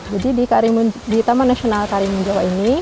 jadi di taman nasional karimun jawa ini